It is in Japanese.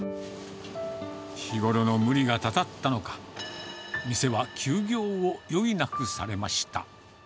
日頃の無理がたたったのか、店は休業を余儀なくされました。